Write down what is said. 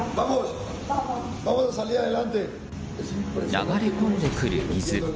流れ込んでくる水。